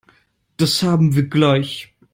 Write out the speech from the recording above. Das haben wir gleich.